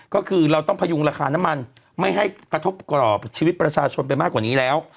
ก็คือเราต้องพยุงราคาน้ำมันไม่ให้กระทบกรอบชีวิตประชาชนไปมากกว่านี้แล้ว